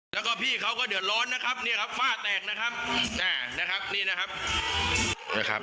และพี่เขาก็เดินร้อนนะครับฝ้าแตกนะครับ